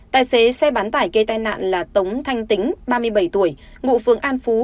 tài xế xe bán tải gây tai nạn là tống thanh tính ba mươi bảy tuổi ngụ phường an phú